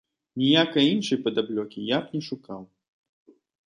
Ніякай іншай падаплёкі я б не шукаў.